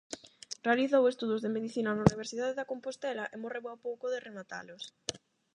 Realizou estudos de Medicina na Universidade de Compostela e morreu ao pouco de rematalos.